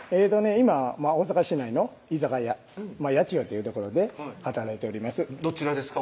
今大阪市内の居酒屋・八千代という所で働いておりますどちらですか？